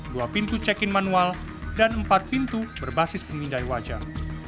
dua pintu check in manual dan empat pintu berbasis pemindai wajah